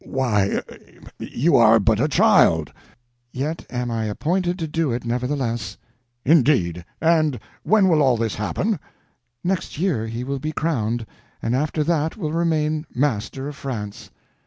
Why, you are but a child!" "Yet am I appointed to do it, nevertheless." "Indeed! And when will all this happen?" "Next year he will be crowned, and after that will remain master of France."